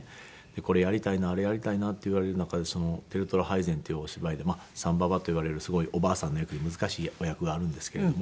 これやりたいなあれやりたいなって言われる中で『輝虎配膳』っていうお芝居で三婆といわれるすごいおばあさんの役で難しいお役があるんですけれども。